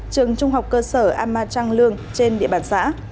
trường trung học cơ sở ama trang lương trên địa bàn xã